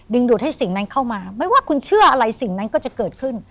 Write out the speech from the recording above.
ดูดให้สิ่งนั้นเข้ามาไม่ว่าคุณเชื่ออะไรสิ่งนั้นก็จะเกิดขึ้น